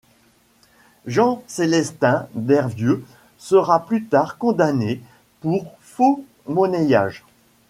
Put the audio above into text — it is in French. Jean-Célestin Dervieux sera plus tard condamné pour faux-monnayage.